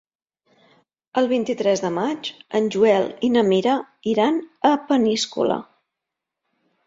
El vint-i-tres de maig en Joel i na Mira iran a Peníscola.